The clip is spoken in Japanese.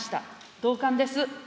同感です。